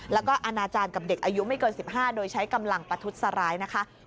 แล้วก็อนาจารย์กับเด็กอายุไม่เกิน๑๕โดยใช้กำลังประทุษร้ายนะคะ